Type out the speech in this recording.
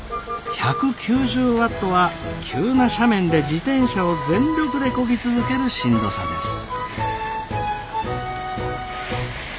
１９０ワットは急な斜面で自転車を全力でこぎ続けるしんどさです。